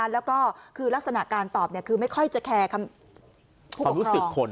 แล้วก็คือลักษณะการตอบคือไม่ค่อยจะแคร์คำรู้สึกคน